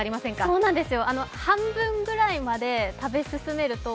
そうなんですよ、半分ぐらいまで食べ進めると、